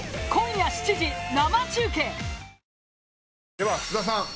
では菅田さん。